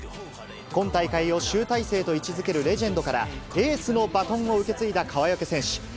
今大会を集大成と位置づけるレジェンドから、エースのバトンを受け継いだ川除選手。